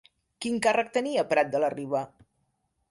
Quin càrrec tenia Prat de la Riba?